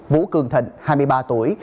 vũ cương thịnh hai mươi ba tuổi